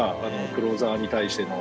クローザーに対しての。